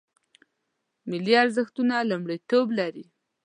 ملي ارزښتونه لومړیتوب لري